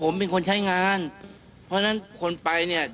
ขณะที่นัยเจนทุพรพรมพันธ์ประธานรบชาว